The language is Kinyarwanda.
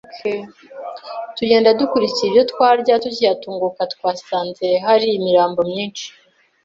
tugenda dukurikiyeyo ibyo twarya tukihatunguka twasanze hari imirambo myinshi,